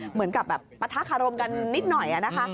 เหมือนกับประท้าคารมกันนิดหน่อย